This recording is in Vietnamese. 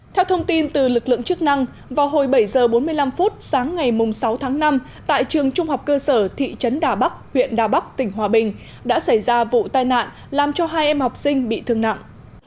theo thông tin từ lực lượng chức năng vào hồi bảy h bốn mươi năm sáng ngày sáu tháng năm tại trường trung học cơ sở thị trấn đà bắc huyện đà bắc tỉnh hòa bình đã xảy ra vụ tai nạn làm cho hai em học sinh bị thương nặng